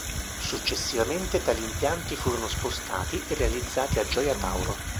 Successivamente tali impianti furono spostati e realizzati a Gioia Tauro.